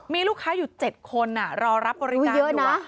มีลูกค้าอยู่๗คนรอรับบริการเยอะนะ